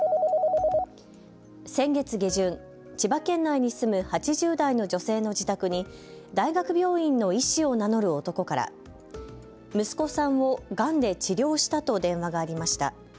先月下旬、千葉県内に住む８０代の女性の自宅に大学病院の医師を名乗る男から息子さんをがんで治療したと電話がありました。